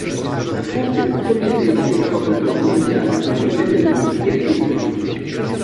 La France est le premier pays exportateur mondial devant les États-Unis et les Pays-Bas.